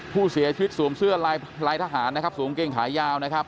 ผู้เสียชีวิตสวมเสื้อลายทหารสูงเก้งขายาวนะครับ